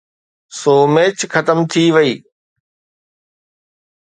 سو match ختم ٿي وئي.